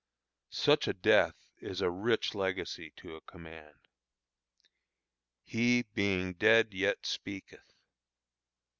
Such a death is a rich legacy to a command. "He being dead, yet speaketh."